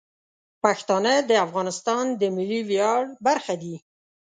پښتانه د افغانستان د ملي ویاړ برخه دي.